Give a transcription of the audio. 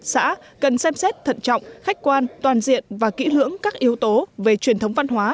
xã cần xem xét thận trọng khách quan toàn diện và kỹ lưỡng các yếu tố về truyền thống văn hóa